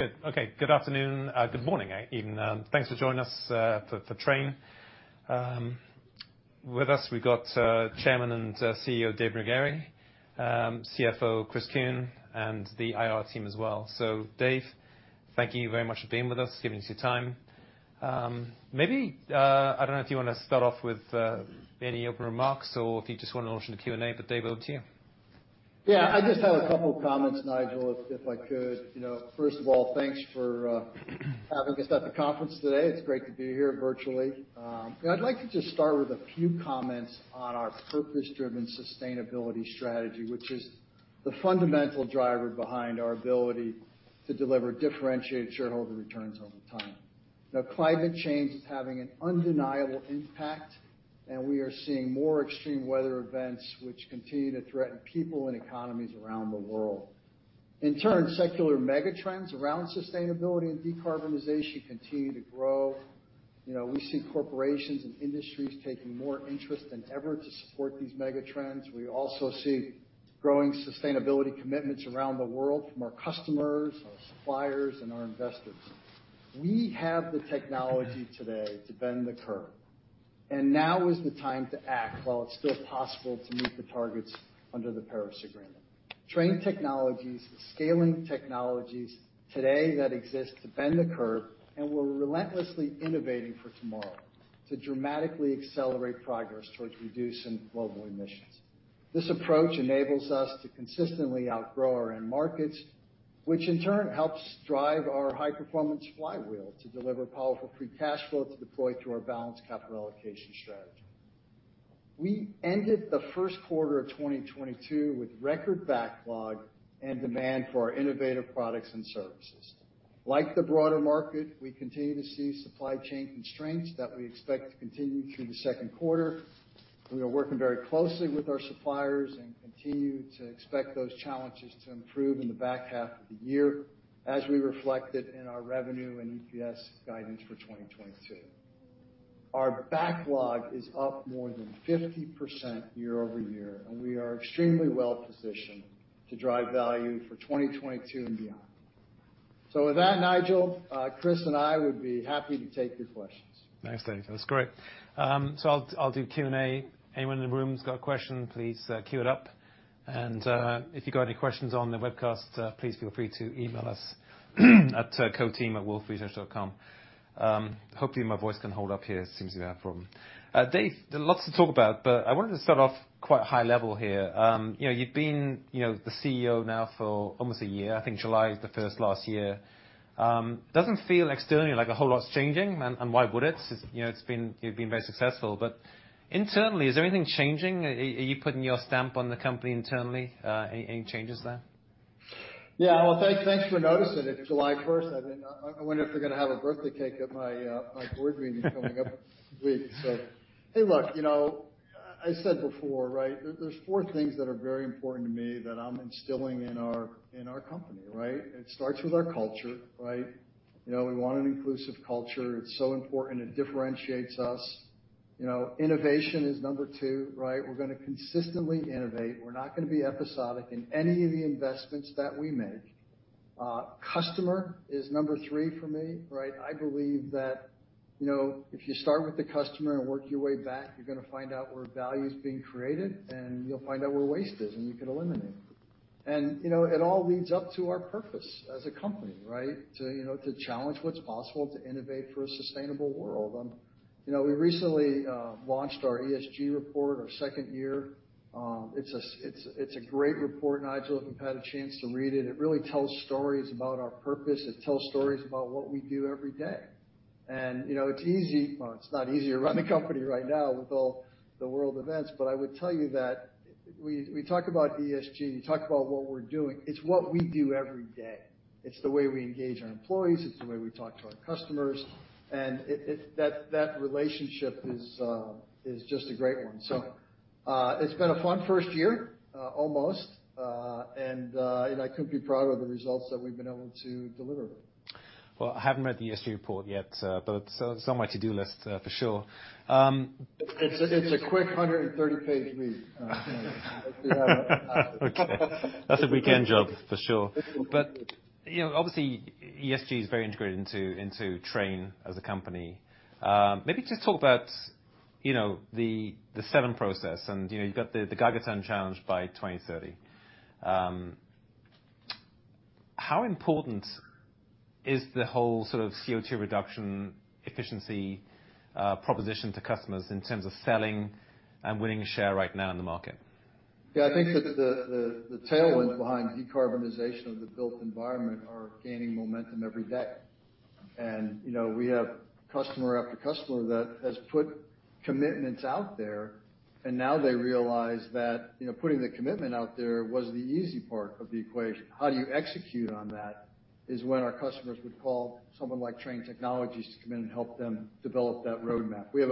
Good. Okay. Good afternoon, good morning, even. Thanks for joining us for Trane. With us we've got Chairman and CEO Dave Regnery, CFO Chris Kuehn, and the IR team as well. Dave, thank you very much for being with us, giving us your time. Maybe I don't know if you wanna start off with any opening remarks or if you just wanna launch into Q&A, but Dave, over to you. Yeah, I just have a couple of comments, Nigel, if I could. You know, first of all, thanks for having us at the conference today. It's great to be here virtually. You know, I'd like to just start with a few comments on our purpose-driven sustainability strategy, which is the fundamental driver behind our ability to deliver differentiated shareholder returns over time. Now climate change is having an undeniable impact, and we are seeing more extreme weather events which continue to threaten people and economies around the world. In turn, secular mega trends around sustainability and decarbonization continue to grow. You know, we see corporations and industries taking more interest than ever to support these mega trends. We also see growing sustainability commitments around the world from our customers, our suppliers, and our investors. We have the technology today to bend the curve, and now is the time to act while it's still possible to meet the targets under the Paris Agreement. Trane Technologies is scaling technologies today that exist to bend the curve, and we're relentlessly innovating for tomorrow to dramatically accelerate progress towards reducing global emissions. This approach enables us to consistently outgrow our end markets, which in turn helps drive our high performance flywheel to deliver powerful free cash flow to deploy to our balanced capital allocation strategy. We ended the Q1 2022 with record backlog and demand for our innovative products and services. Like the broader market, we continue to see supply chain constraints that we expect to continue through the Q2. We are working very closely with our suppliers and continue to expect those challenges to improve in the back half of the year as we reflected in our revenue and EPS guidance for 2022. Our backlog is up more than 50% year-over-year, and we are extremely well positioned to drive value for 2022 and beyond. With that, Nigel, Chris and I would be happy to take your questions. Thanks, Dave. That's great. So I'll do Q&A. Anyone in the room who's got a question, please queue it up. If you've got any questions on the webcast, please feel free to email us at coteam@wolferesearch.com. Hopefully my voice can hold up here. It seems to be I have a problem. Dave, there are lots to talk about, but I wanted to start off quite high level here. You know, you've been, you know, the CEO now for almost a year. I think July is the first last year. Doesn't feel externally like a whole lot's changing, and why would it? You know, it's been. You've been very successful. Internally, is there anything changing? Are you putting your stamp on the company internally? Any changes there? Yeah. Well, thanks for noticing. It's July first. I wonder if they're gonna have a birthday cake at my board meeting coming up this week. Hey, look, you know, I said before, right, there's four things that are very important to me that I'm instilling in our company, right? It starts with our culture, right? You know, we want an inclusive culture. It's so important, it differentiates us. You know, innovation is number two, right? We're gonna consistently innovate. We're not gonna be episodic in any of the investments that we make. Customer is number three for me, right? I believe that, you know, if you start with the customer and work your way back, you're gonna find out where value is being created, and you'll find out where waste is, and you can eliminate. You know, it all leads up to our purpose as a company, right? To, you know, to challenge what's possible, to innovate for a sustainable world. You know, we recently launched our ESG report, our second year. It's a great report, Nigel, if you've had a chance to read it. It really tells stories about our purpose. It tells stories about what we do every day. You know, it's not easy to run the company right now with all the world events, but I would tell you that we talk about ESG, and we talk about what we're doing. It's what we do every day. It's the way we engage our employees, it's the way we talk to our customers. That relationship is just a great one. It's been a fun first year, almost. I couldn't be prouder of the results that we've been able to deliver. Well, I haven't read the ESG report yet, but it's on my to-do list, for sure. It's a quick 130-page read. If you have- Okay. That's a weekend job for sure. You know, obviously, ESG is very integrated into Trane as a company. Maybe just talk about, you know, the seven process and, you know, you've got the Gigaton Challenge by 2030. How important is the whole sort of CO2 reduction efficiency proposition to customers in terms of selling and winning a share right now in the market? Yeah. I think that the tailwinds behind decarbonization of the built environment are gaining momentum every day. You know, we have customer after customer that has put commitments out there, and now they realize that, you know, putting the commitment out there was the easy part of the equation. How do you execute on that is when our customers would call someone like Trane Technologies to come in and help them develop that roadmap. We have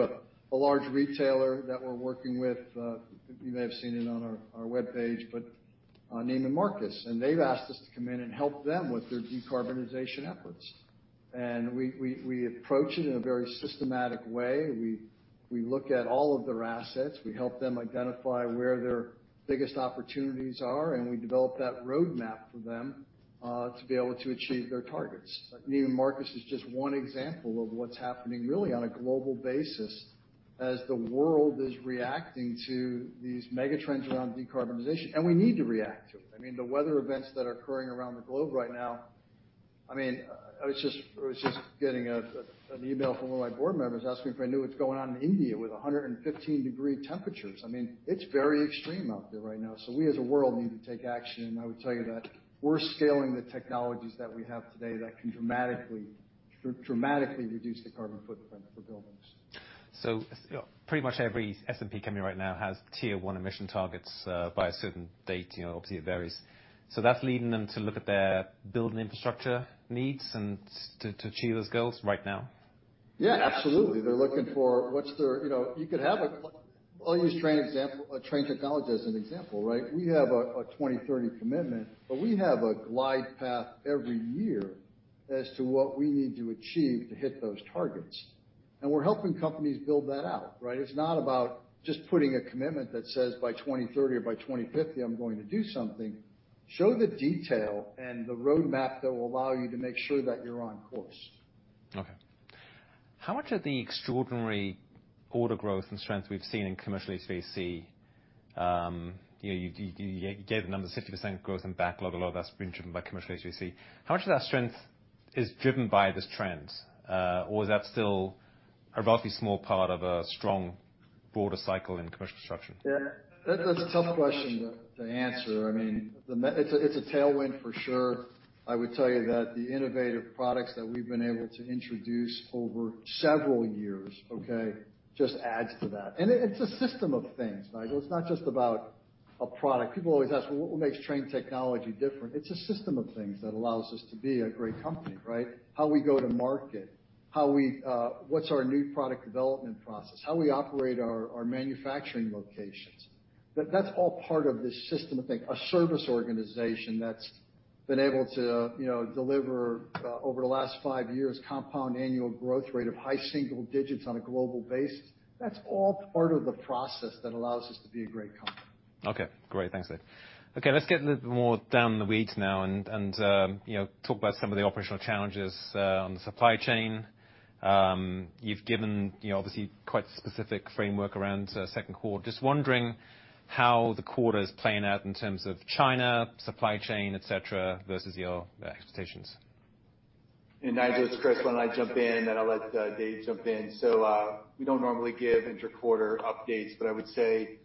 a large retailer that we're working with. You may have seen it on our webpage, but Neiman Marcus, and they've asked us to come in and help them with their decarbonization efforts. We approach it in a very systematic way. We look at all of their assets. We help them identify where their biggest opportunities are, and we develop that roadmap for them to be able to achieve their targets. I mean, Neiman Marcus is just one example of what's happening really on a global basis as the world is reacting to these mega trends around decarbonization. We need to react to it. I mean, the weather events that are occurring around the globe right now, I mean, I was just getting an email from one of my board members asking if I knew what's going on in India with 115-degree temperatures. I mean, it's very extreme out there right now. We as a world need to take action. I would tell you that we're scaling the technologies that we have today that can dramatically reduce the carbon footprint for buildings. Pretty much every S&P company right now has Scope 1 emission targets by a certain date. You know, obviously, it varies. That's leading them to look at their building infrastructure needs and to achieve those goals right now. Yeah, absolutely. They're looking for what's their. You know, you could have a, I'll use Trane Technologies as an example, right? We have a 2030 commitment, but we have a glide path every year as to what we need to achieve to hit those targets. We're helping companies build that out, right? It's not about just putting a commitment that says by 2030 or by 2050, I'm going to do something. Show the detail and the roadmap that will allow you to make sure that you're on course. Okay. How much of the extraordinary order growth and strength we've seen in commercial HVAC, you know, you gave the number 60% growth in backlog. A lot of that's been driven by commercial HVAC. How much of that strength is driven by this trend, or is that still a roughly small part of a strong broader cycle in commercial construction? Yeah, that's a tough question to answer. I mean, it's a tailwind for sure. I would tell you that the innovative products that we've been able to introduce over several years, okay, just adds to that. It's a system of things, Nigel. It's not just about a product. People always ask, "Well, what makes Trane Technologies different?" It's a system of things that allows us to be a great company, right? How we go to market, how we, what's our new product development process, how we operate our manufacturing locations. That's all part of this system of things. A service organization that's been able to, you know, deliver over the last five years, compound annual growth rate of high single digits on a global basis. That's all part of the process that allows us to be a great company. Okay. Great. Thanks, Dave. Okay, let's get a little bit more down in the weeds now and you know, talk about some of the operational challenges on the supply chain. You've given, you know, obviously quite specific framework around Q2. Just wondering how the quarter is playing out in terms of China, supply chain, et cetera, versus your expectations. Nigel, it's Chris. Why don't I jump in, then I'll let Dave jump in. We don't normally give inter-quarter updates, but I would say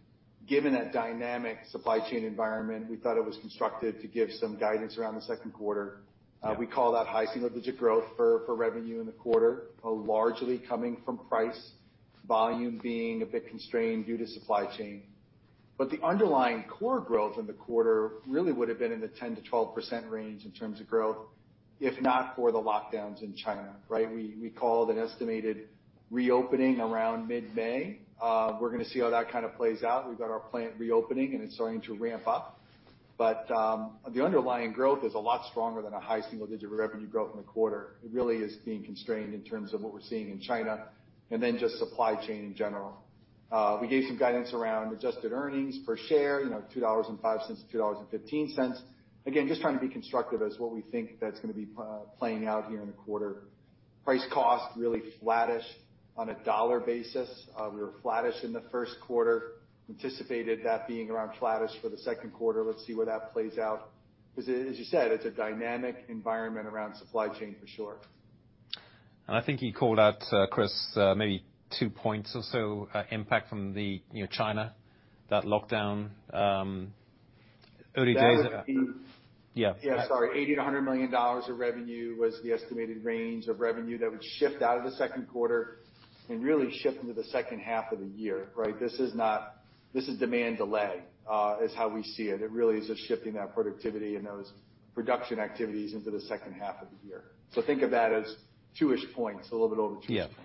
given that dynamic supply chain environment, we thought it was constructive to give some guidance around the Q2. We call that high single-digit growth for revenue in the quarter, largely coming from price, volume being a bit constrained due to supply chain. The underlying core growth in the quarter really would have been in the 10%-12% range in terms of growth, if not for the lockdowns in China, right? We called an estimated reopening around mid-May. We're gonna see how that kinda plays out. We've got our plant reopening and it's starting to ramp up. The underlying growth is a lot stronger than a high single-digit revenue growth in the quarter. It really is being constrained in terms of what we're seeing in China and then just supply chain in general. We gave some guidance around adjusted earnings per share, you know, $2.05-$2.15. Again, just trying to be constructive as what we think that's gonna be playing out here in the quarter. Price cost really flattish on a dollar basis. We were flattish in the Q1, anticipated that being around flattish for the Q2. Let's see where that plays out 'cause as you said, it's a dynamic environment around supply chain for sure. I think you called out, Chris, maybe 2 points or so, impact from the, you know, China, that lockdown, early days of. That would be- Yeah. Yeah, sorry. $80 million-$100 million of revenue was the estimated range of revenue that would shift out of the Q2 and really shift into the second half of the year, right? This is demand delay is how we see it. It really is just shifting that productivity and those production activities into the second half of the year. Think of that as 2-ish points, a little bit over 2-ish points.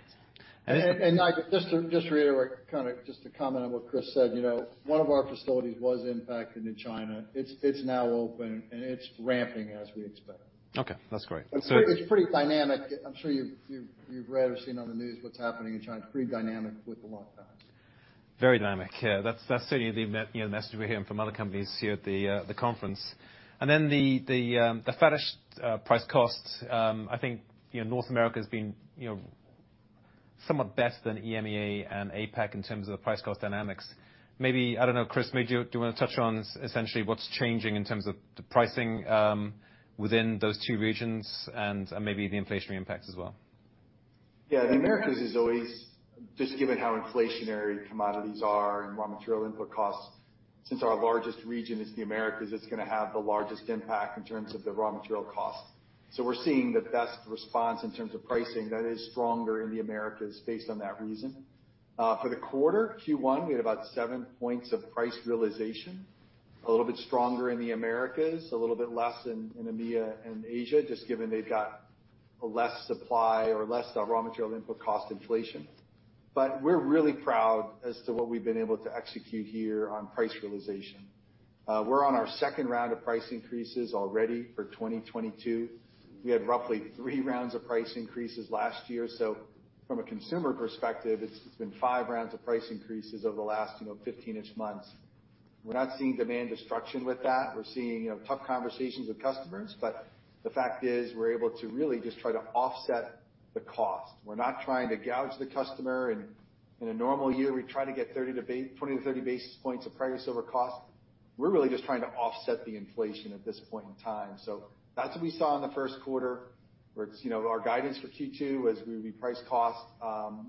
Yeah. Nigel, just to reiterate, kinda just to comment on what Chris said, you know, one of our facilities was impacted in China. It's now open and it's ramping as we expect. Okay, that's great. It's pretty dynamic. I'm sure you've read or seen on the news what's happening in China. It's pretty dynamic with the lockdowns. Very dynamic, yeah. That's certainly the message we're hearing from other companies here at the conference. Then the flattish price costs, I think, you know, North America's been, you know, somewhat better than EMEA and APAC in terms of the price cost dynamics. Maybe, I don't know, Chris, maybe do you wanna touch on essentially what's changing in terms of the pricing within those two regions and maybe the inflationary impacts as well? Yeah. The Americas is always, just given how inflationary commodities are and raw material input costs, since our largest region is the Americas, it's gonna have the largest impact in terms of the raw material cost. We're seeing the best response in terms of pricing that is stronger in the Americas based on that reason. For the quarter, Q1, we had about 7 points of price realization, a little bit stronger in the Americas, a little bit less in EMEA and Asia, just given they've got a less supply or less raw material input cost inflation. We're really proud as to what we've been able to execute here on price realization. We're on our second round of price increases already for 2022. We had roughly 3 rounds of price increases last year. From a consumer perspective, it's been 5 rounds of price increases over the last, you know, 15-ish months. We're not seeing demand destruction with that. We're seeing, you know, tough conversations with customers. The fact is, we're able to really just try to offset the cost. We're not trying to gouge the customer. In a normal year, we try to get 20-30 basis points of price over cost. We're really just trying to offset the inflation at this point in time. That's what we saw in the Q1, where it's, you know, our guidance for Q2 as we price cost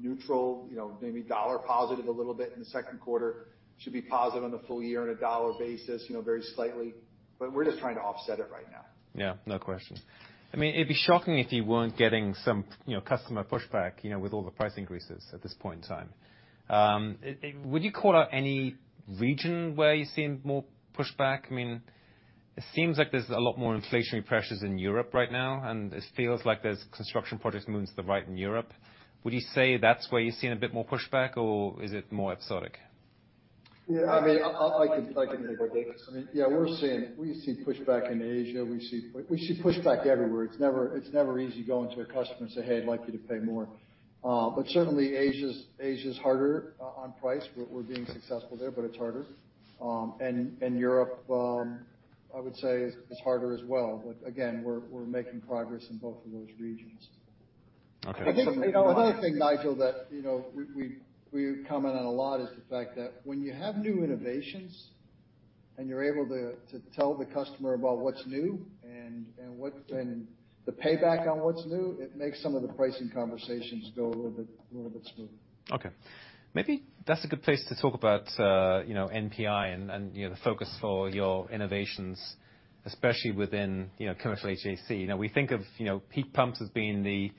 neutral, you know, maybe dollar positive a little bit in the Q2. Should be positive on the full year on a dollar basis, you know, very slightly, but we're just trying to offset it right now. Yeah, no question. I mean, it'd be shocking if you weren't getting some, you know, customer pushback, you know, with all the price increases at this point in time. Would you call out any region where you're seeing more pushback? I mean, it seems like there's a lot more inflationary pressures in Europe right now, and it feels like there's construction projects moving to the right in Europe. Would you say that's where you're seeing a bit more pushback, or is it more episodic? Yeah, I mean, I can take this. I mean, yeah, we've seen pushback in Asia. We see pushback everywhere. It's never easy going to a customer and say, "Hey, I'd like you to pay more." Certainly Asia's harder on price. We're being successful there, but it's harder. Europe, I would say is harder as well. Again, we're making progress in both of those regions. Okay. I think another thing, Nigel, that, you know, we comment on a lot is the fact that when you have new innovations and you're able to to tell the customer about what's new and the payback on what's new, it makes some of the pricing conversations go a little bit smoother. Okay. Maybe that's a good place to talk about, you know, NPI and, you know, the focus for your innovations, especially within, you know, commercial HVAC. You know, we think of, you know, heat pumps as being the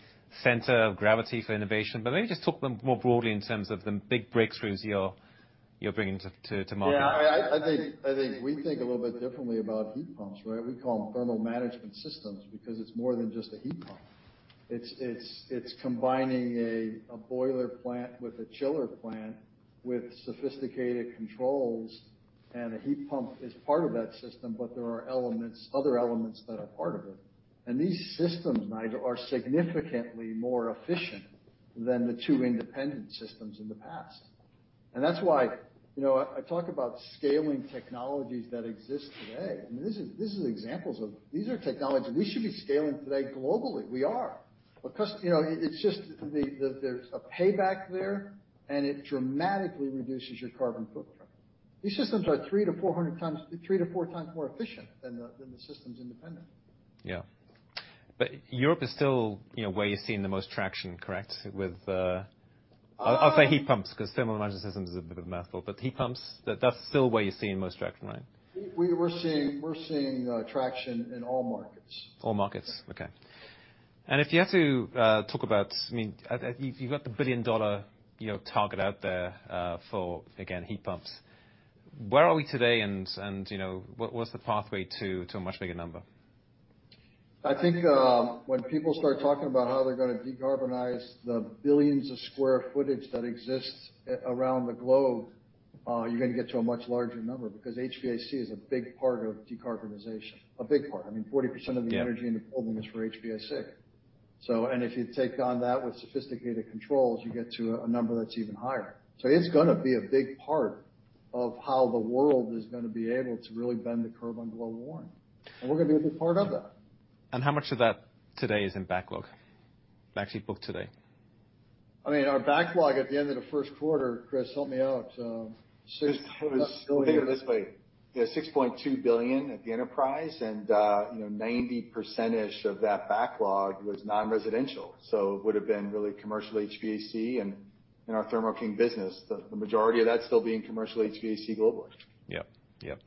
center of gravity for innovation. Maybe just talk more broadly in terms of the big breakthroughs you're bringing to market. Yeah. I think we think a little bit differently about heat pumps, right? We call them thermal management systems because it's more than just a heat pump. It's combining a boiler plant with a chiller plant with sophisticated controls, and a heat pump is part of that system, but there are other elements that are part of it. These systems, Nigel, are significantly more efficient than the two independent systems in the past. That's why, you know, I talk about scaling technologies that exist today. I mean, these are technologies we should be scaling today globally. We are. Because, you know, it's just there's a payback there, and it dramatically reduces your carbon footprint. These systems are 3-4 times more efficient than the independent systems. Yeah. Europe is still, you know, where you're seeing the most traction, correct? With, I'll say heat pumps 'cause thermal management system is a bit of a mouthful. Heat pumps, that's still where you're seeing most traction, right? We're seeing traction in all markets. All markets. Okay. If you had to talk about, I mean, you've got the billion-dollar, you know, target out there, for again heat pumps. Where are we today and, you know, what's the pathway to a much bigger number? I think, when people start talking about how they're gonna decarbonize the billions of square footage that exists around the globe, you're gonna get to a much larger number because HVAC is a big part of decarbonization. A big part. I mean, 40% of the energy. Yeah. Energy in the building is for HVAC. If you take on that with sophisticated controls, you get to a number that's even higher. It's gonna be a big part of how the world is gonna be able to really bend the curve on global warming, and we're gonna be a big part of that. How much of that today is in backlog? Backlog book today. I mean, our backlog at the end of the Q1, Chris, help me out. 6 point- Think of it this way. Yeah, $6.2 billion at the enterprise and, you know, 90% of that backlog was non-residential. It would have been really Commercial HVAC and in our Thermo King business, the majority of that still being Commercial HVAC globally. Yep.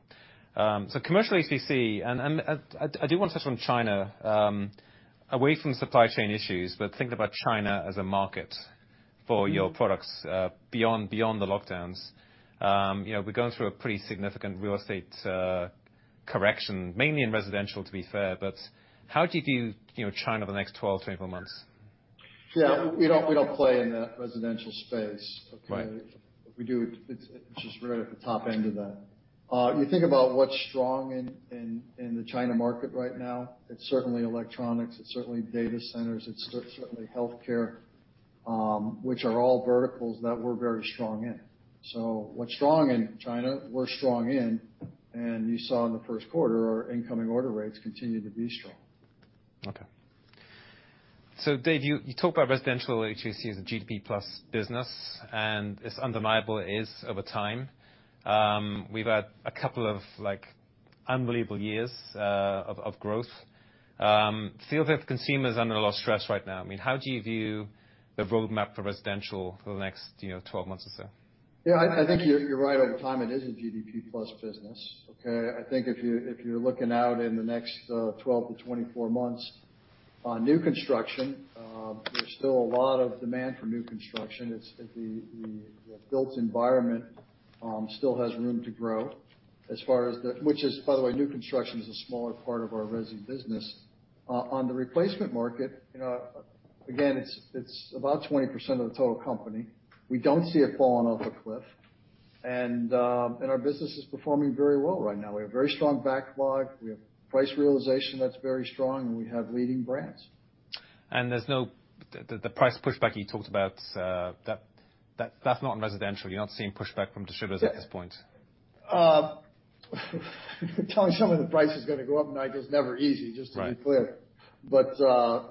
Commercial HVAC, and I do want to touch on China, away from supply chain issues, but think about China as a market for your products, beyond the lockdowns. You know, we're going through a pretty significant real estate correction, mainly in residential, to be fair, but how do you view China the next 12-24 months? Yeah. We don't play in the residential space. Okay. Right. If we do, it's just right at the top end of that. You think about what's strong in the China market right now, it's certainly electronics, it's certainly data centers, it's certainly healthcare, which are all verticals that we're very strong in. What's strong in China, we're strong in. You saw in the Q1, our incoming order rates continue to be strong. Okay. Dave, you talk about residential HVAC as a GDP plus business, and it's undeniable it is over time. We've had a couple of, like, unbelievable years of growth. I feel that the consumer's under a lot of stress right now. I mean, how do you view the roadmap for residential for the next, you know, 12 months or so? Yeah, I think you're right. Over time, it is a GDP plus business. I think if you're looking out in the next 12-24 months on new construction, there's still a lot of demand for new construction. The built environment still has room to grow as far as the—which is, by the way, new construction is a smaller part of our resi business. On the replacement market, you know, again, it's about 20% of the total company. We don't see it falling off a cliff. Our business is performing very well right now. We have very strong backlog. We have price realization that's very strong, and we have leading brands. There's no price pushback you talked about, that that's not in residential. You're not seeing pushback from distributors at this point? Yeah. Telling someone the price is gonna go up, Nick, is never easy, just to be clear. Right.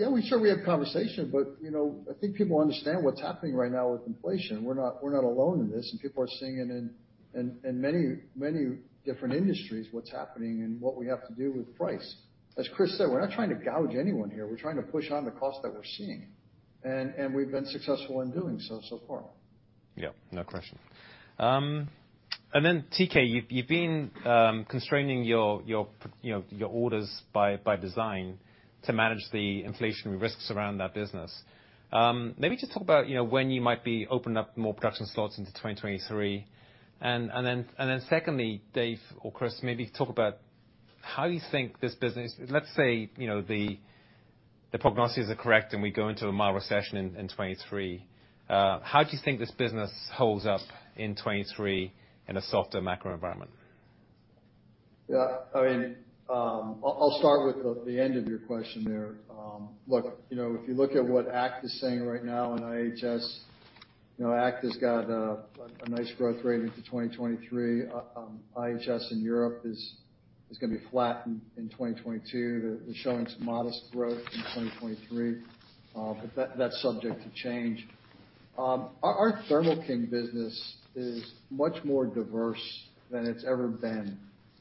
Yeah, we're sure we have conversations, but, you know, I think people understand what's happening right now with inflation. We're not alone in this, and people are seeing it in many different industries what's happening and what we have to do with price. As Chris said, we're not trying to gouge anyone here. We're trying to pass on the costs that we're seeing. We've been successful in doing so so far. Yeah. No question. TK, you've been constraining your, you know, orders by design to manage the inflationary risks around that business. Maybe just talk about, you know, when you might be opening up more production slots into 2023. Secondly, Dave or Chris, maybe talk about, let's say, you know, the prognoses are correct, and we go into a mild recession in 2023. How do you think this business holds up in 2023 in a softer macro environment? Yeah. I mean, I'll start with the end of your question there. Look, you know, if you look at what ACT is saying right now and IHS, you know, ACT has got a nice growth rate into 2023. IHS in Europe is gonna be flat in 2022. They're showing some modest growth in 2023, but that's subject to change. Our Thermo King business is much more diverse than it's ever been,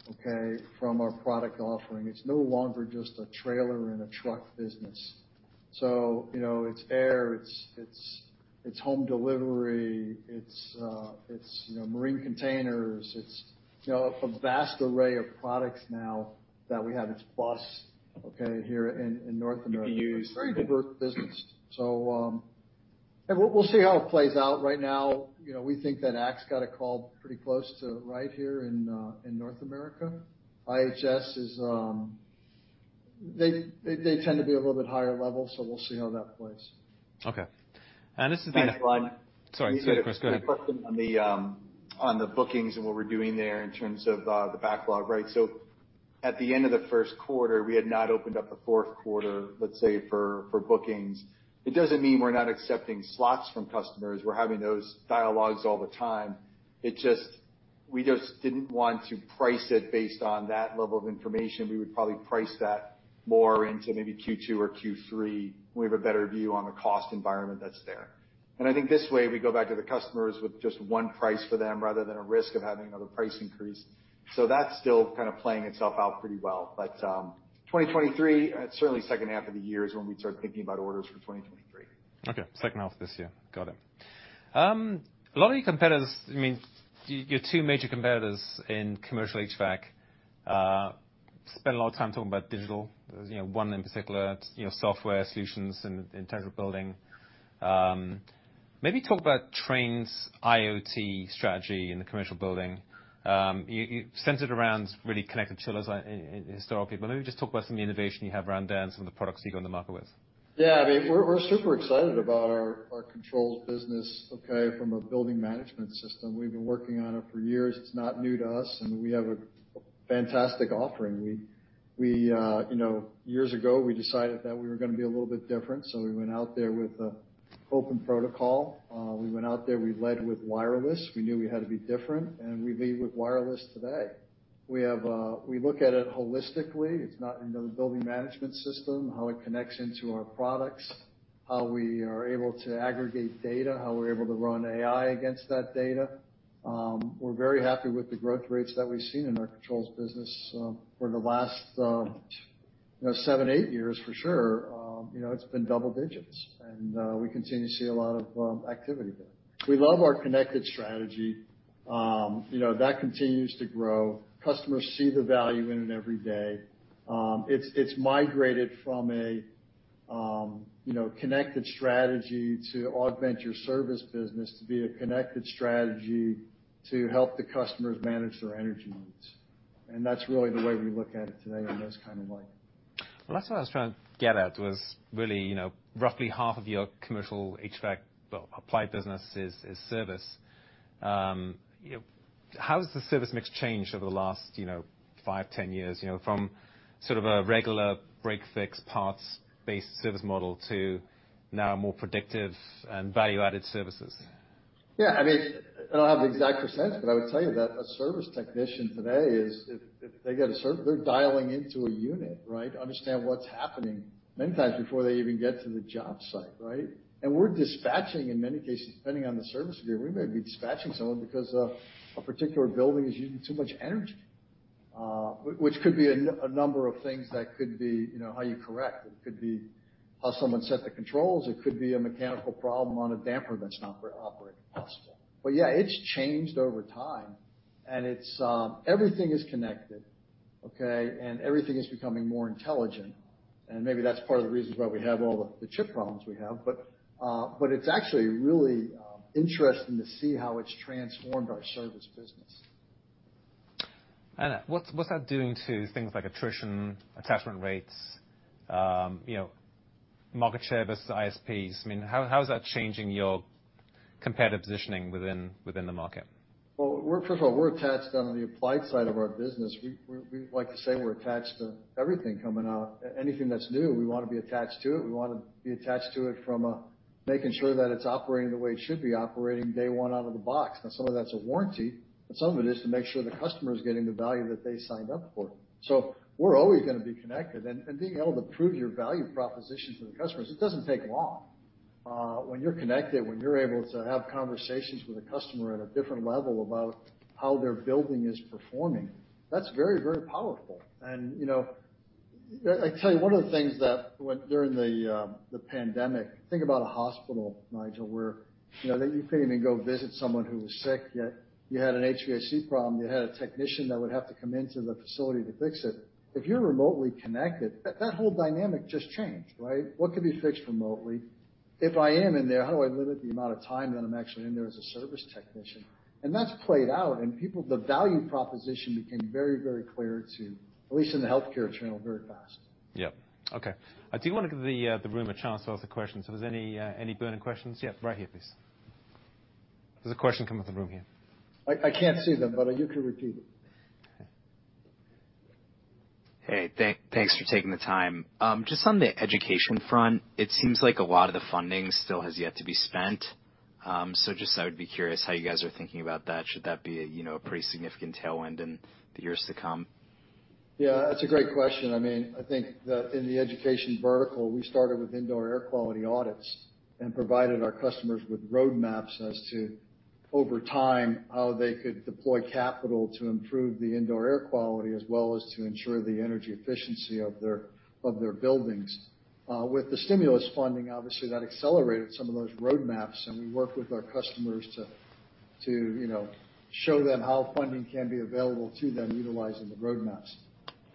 okay, from a product offering. It's no longer just a trailer and a truck business. You know, it's air, it's home delivery, it's marine containers. It's a vast array of products now that we have. It's bus, okay, here in North America. You can use. It's a very diverse business. We'll see how it plays out. Right now, you know, we think that ACT's got it called pretty close to right here in North America. IHS is. They tend to be a little bit higher level, so we'll see how that plays. Okay. Thanks, Nigel. Sorry. Go ahead, Chris. Go ahead. The question on the bookings and what we're doing there in terms of the backlog, right? At the end of the Q1, we had not opened up the Q4, let's say, for bookings. It doesn't mean we're not accepting slots from customers. We're having those dialogues all the time. We just didn't want to price it based on that level of information. We would probably price that more into maybe Q2 or Q3 when we have a better view on the cost environment that's there. I think this way, we go back to the customers with just one price for them rather than a risk of having another price increase. That's still kind of playing itself out pretty well. 2023, certainly second half of the year is when we'd start thinking about orders for 2023. Okay. Second half of this year. Got it. A lot of your competitors, I mean, your two major competitors in commercial HVAC, spend a lot of time talking about digital. There's, you know, one in particular, you know, software solutions in terms of building. Maybe talk about Trane's IoT strategy in the commercial building. You center it around really connected chillers, historically, but maybe just talk about some of the innovation you have around there and some of the products you go to market with. Yeah. I mean, we're super excited about our controls business, okay, from a building management system. We've been working on it for years. It's not new to us, and we have a fantastic offering. You know, years ago we decided that we were gonna be a little bit different, so we went out there with an open protocol. We went out there, we led with wireless. We knew we had to be different, and we lead with wireless today. We look at it holistically. It's not, you know, the building management system, how it connects into our products, how we are able to aggregate data, how we're able to run AI against that data. We're very happy with the growth rates that we've seen in our controls business, for the last, you know, 7, 8 years for sure. You know, it's been double digits, and we continue to see a lot of activity there. We love our connected strategy. You know, that continues to grow. Customers see the value in it every day. It's migrated from a you know, connected strategy to augment your service business to be a connected strategy to help the customers manage their energy needs. That's really the way we look at it today in this kind of light. Well, that's what I was trying to get at was really, you know, roughly half of your commercial HVAC, well, applied business is service. You know, how has the service mix changed over the last, you know, 5, 10 years, you know, from sort of a regular break-fix parts-based service model to now a more predictive and value-added services? Yeah. I mean, I don't have the exact percentage, but I would tell you that a service technician today is, if they get a service, they're dialing into a unit, right? To understand what's happening many times before they even get to the job site, right? We're dispatching in many cases, depending on the service agreement, we may be dispatching someone because a particular building is using too much energy, which could be a number of things that could be, you know, how you correct. It could be how someone set the controls. It could be a mechanical problem on a damper that's not operating properly. Yeah, it's changed over time. It's everything is connected, okay? Everything is becoming more intelligent. Maybe that's part of the reasons why we have all the chip problems we have. It's actually really interesting to see how it's transformed our service business. What's that doing to things like attrition, attachment rates, you know, market share versus ISPs? I mean, how is that changing your competitive positioning within the market? Well, first of all, we're attached on the applied side of our business. We like to say we're attached to everything coming out. Anything that's new, we wanna be attached to it. We wanna be attached to it from making sure that it's operating the way it should be operating day one out of the box. Now, some of that's a warranty, and some of it is to make sure the customer is getting the value that they signed up for. We're always gonna be connected. Being able to prove your value proposition to the customers, it doesn't take long. When you're connected, when you're able to have conversations with a customer at a different level about how their building is performing, that's very, very powerful. You know, I tell you one of the things that during the pandemic, think about a hospital, Nigel, where you know that you couldn't even go visit someone who was sick, yet you had an HVAC problem, you had a technician that would have to come into the facility to fix it. If you're remotely connected, that whole dynamic just changed, right? What could be fixed remotely? If I am in there, how do I limit the amount of time that I'm actually in there as a service technician? That's played out, and people, the value proposition became very, very clear to at least in the healthcare channel, very fast. Yeah. Okay. I do wanna give the room a chance to ask the questions. Is there any burning questions? Yeah, right here, please. There's a question coming from the room here. I can't see them, but you can repeat it. Okay. Hey, thanks for taking the time. Just on the education front, it seems like a lot of the funding still has yet to be spent. Just I would be curious how you guys are thinking about that. Should that be a, you know, a pretty significant tailwind in the years to come? Yeah, that's a great question. I mean, I think in the education vertical, we started with indoor air quality audits and provided our customers with roadmaps as to, over time, how they could deploy capital to improve the indoor air quality as well as to ensure the energy efficiency of their buildings. With the stimulus funding, obviously that accelerated some of those roadmaps, and we worked with our customers to you know, show them how funding can be available to them utilizing the roadmaps.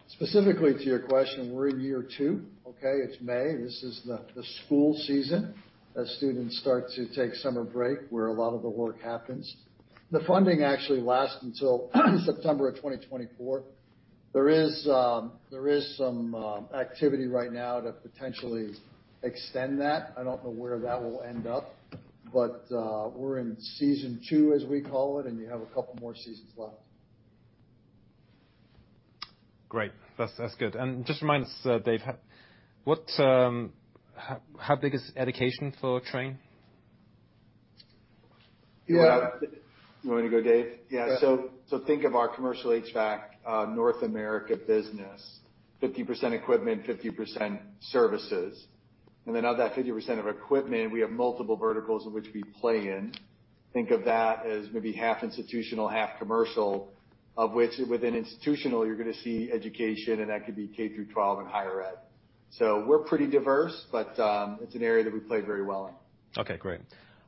Specifically to your question, we're in year 2, okay? It's May, this is the school season as students start to take summer break, where a lot of the work happens. The funding actually lasts until September of 2024. There is some activity right now to potentially extend that. I don't know where that will end up. We're in season two, as we call it, and you have a couple more seasons left. Great. That's good. Just remind us, Dave, how big is education for Trane? Yeah. You want me to go, Dave? Yeah. Think of our Commercial HVAC North America business, 50% equipment, 50% services. Then of that 50% of equipment, we have multiple verticals in which we play in. Think of that as maybe half institutional, half commercial, of which within institutional you're gonna see education, and that could be K-12 and higher ed. We're pretty diverse, but it's an area that we play very well in. Okay, great.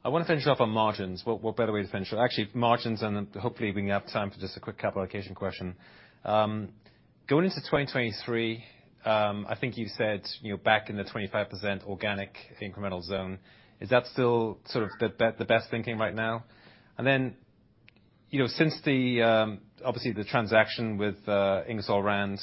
I wanna finish off on margins. What better way to finish? Actually margins and then hopefully we can have time for just a quick capital allocation question. Going into 2023, I think you said, you know, back in the 25% organic incremental zone. Is that still sort of the best thinking right now? You know, since obviously the transaction with Ingersoll Rand,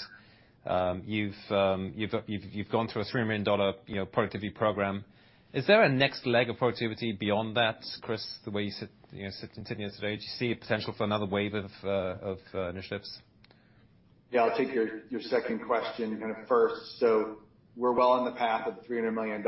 you've gone through a $300 million productivity program. Is there a next leg of productivity beyond that, Chris, the way you sit today? Do you see a potential for another wave of initiatives? Yeah. I'll take your second question kinda first. We're well in the path of the $300 million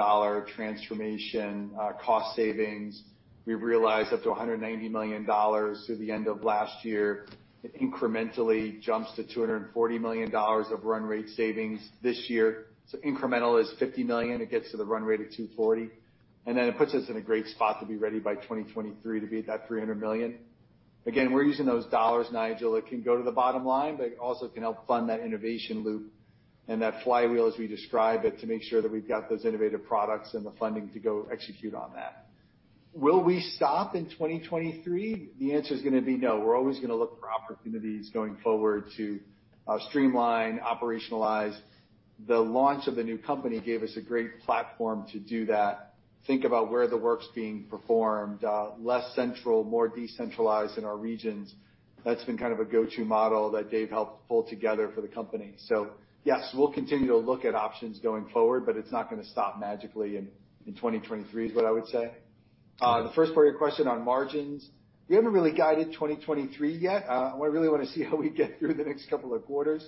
transformation cost savings. We've realized up to $190 million through the end of last year. It incrementally jumps to $240 million of run rate savings this year. Incremental is $50 million. It gets to the run rate of $240. It puts us in a great spot to be ready by 2023 to be at that $300 million. Again, we're using those dollars, Nigel, that can go to the bottom line, but it also can help fund that innovation loop and that flywheel, as we describe it, to make sure that we've got those innovative products and the funding to go execute on that. Will we stop in 2023? The answer is gonna be no. We're always gonna look for opportunities going forward to streamline, operationalize. The launch of the new company gave us a great platform to do that. Think about where the work's being performed, less central, more decentralized in our regions. That's been kind of a go-to model that Dave helped pull together for the company. Yes, we'll continue to look at options going forward, but it's not gonna stop magically in 2023 is what I would say. The first part of your question on margins, we haven't really guided 2023 yet. We really wanna see how we get through the next couple of quarters.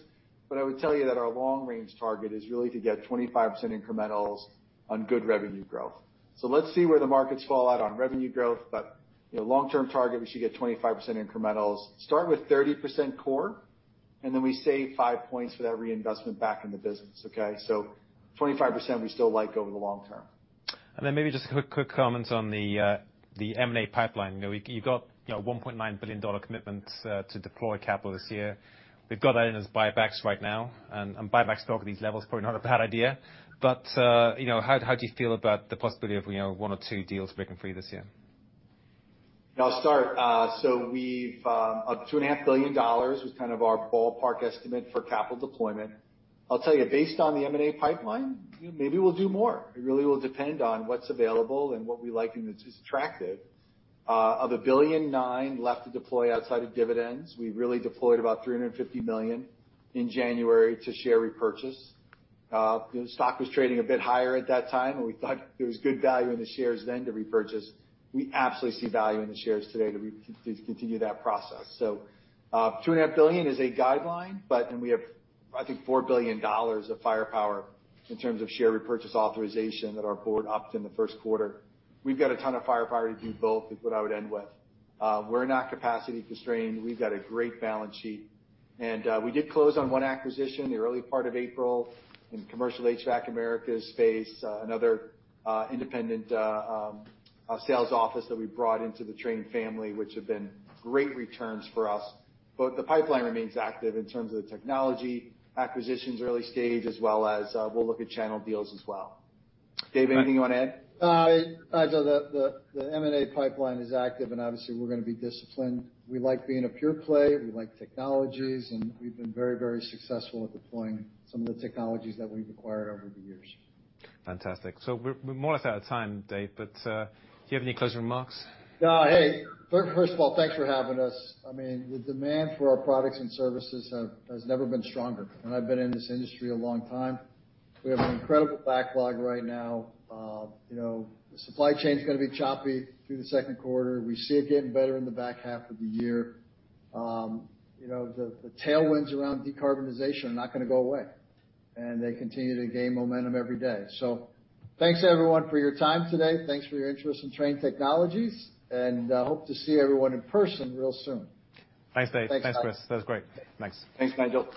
I would tell you that our long range target is really to get 25% incrementals on good revenue growth. Let's see where the markets fall out on revenue growth. You know, long-term target, we should get 25% incrementals. Start with 30% core, and then we save 5 points for that reinvestment back in the business, okay? 25% we still like over the long term. Maybe just a quick comment on the M&A pipeline. You know, you've got, you know, $1.9 billion commitment to deploy capital this year. We've got that in as buybacks right now. Buybacks at all of these levels is probably not a bad idea. You know, how do you feel about the possibility of one or two deals breaking free this year? Yeah, I'll start. So we've $2.5 billion was kind of our ballpark estimate for capital deployment. I'll tell you, based on the M&A pipeline, you know, maybe we'll do more. It really will depend on what's available and what we like and it's attractive. Of $1.9 billion left to deploy outside of dividends, we really deployed about $350 million in January to share repurchase. The stock was trading a bit higher at that time, and we thought there was good value in the shares then to repurchase. We absolutely see value in the shares today to continue that process. Two and a half billion is a guideline, but and we have, I think, $4 billion of firepower in terms of share repurchase authorization that our board upped in the Q1. We've got a ton of firepower to do both, is what I would end with. We're not capacity constrained. We've got a great balance sheet. We did close on one acquisition in the early part of April in Commercial HVAC Americas space, another independent sales office that we brought into the Trane family, which have been great returns for us. The pipeline remains active in terms of the technology acquisitions early-stage, as well as, we'll look at channel deals as well. Dave, anything you wanna add? Nigel, the M&A pipeline is active, and obviously, we're gonna be disciplined. We like being a pure play, we like Trane Technologies, and we've been very, very successful at deploying some of the technologies that we've acquired over the years. Fantastic. We're almost out of time, Dave, but do you have any closing remarks? Hey, first of all, thanks for having us. I mean, the demand for our products and services has never been stronger, and I've been in this industry a long time. We have an incredible backlog right now. You know, the supply chain's gonna be choppy through the Q2. We see it getting better in the back half of the year. You know, the tailwinds around decarbonization are not gonna go away, and they continue to gain momentum every day. Thanks everyone for your time today. Thanks for your interest in Trane Technologies, and hope to see everyone in person real soon. Thanks, Dave. Thanks, guys. Thanks, Chris. That was great. Thanks. Thanks, Nigel.